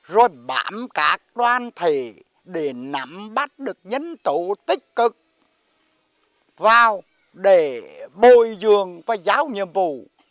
rồi bảm các đoan thể để nắm bắt được nhân tụ tích cực vào để bồi dường và giáo nhiệm vụ